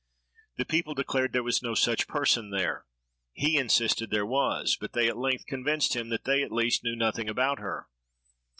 The people declared there was no such person there; he insisted there was, but they at length convinced him that they, at least, knew nothing about her.